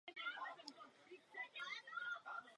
Na tuto právní nejistotu katalogové firmy hrají.